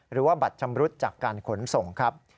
หรือว่าบัตรชำรุดจากการขนส่งครับ